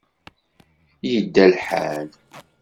Yedda lḥal.